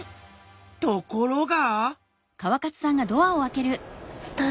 ところが！